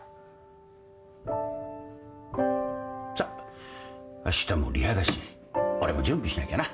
さっあしたもリハだし俺も準備しなきゃな。